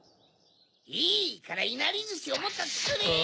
いいからいなりずしをもっとつくれ！